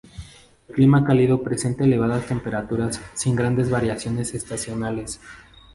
El clima cálido presenta elevadas temperaturas, sin grandes variaciones estacionales.